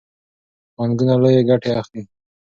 بانکونه لویې ګټې اخلي.